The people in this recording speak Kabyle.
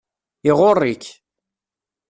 Iɣurr-ik.